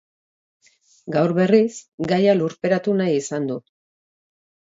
Gaur berriz, gaia lurperatu nahi izan du.